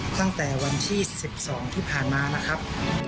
ตั้งแต่วันที่๑๒ที่ผ่านมานะครับ